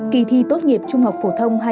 kỳ thi tốt nghiệp trung học phổ thông